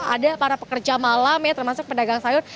ada para pekerja malam ya termasuk pedagang sayur